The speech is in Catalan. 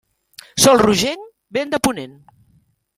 Sol rogenc, vent de ponent.